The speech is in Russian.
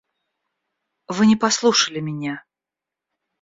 Вы не послушали меня.